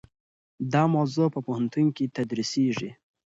دا موضوع په پوهنتون کې تدریسیږي.